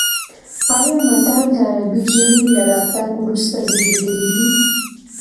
ایا متل د عربي ژبې له راتګ وروسته زېږېدلی دی